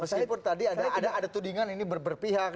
meskipun tadi ada tudingan ini berpihak